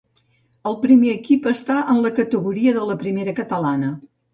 El primer equip està en la categoria de Primera Catalana.